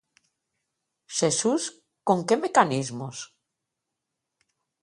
Xesús, con que mecanismos?